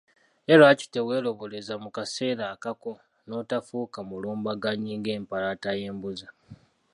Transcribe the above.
Ye lwaki teweeroboleza mu kasero akako n'otafuuka mulumbanganyi ng'empalaata y'embuzi?